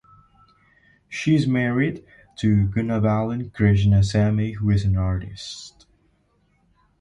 She is married to Gunabalan Krishnasamy who is an artist.